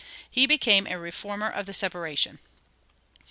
"He became a reformer of the Separation."